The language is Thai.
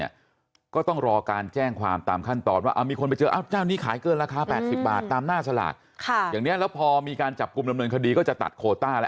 อย่างนี้แล้วพอมีการจับกลุ่มลำเนินคดีก็จะตัดโควต้าอะไร